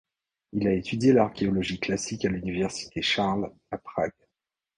Il a étudié l’archéologie classique à l’Université Charles à Prague.